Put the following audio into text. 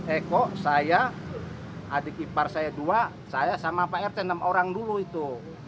eko saya adik ipar saya dua saya sama pak rt enam orang dulu itu